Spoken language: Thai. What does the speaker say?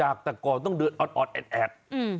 อักษกรต้องเดินออดแอด